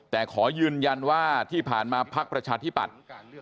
แต่ขอยืนยันว่าที่ผ่านมาพักประชาธิปัตย์